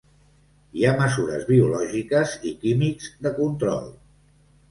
Hi ha mesures biològiques i químics de control.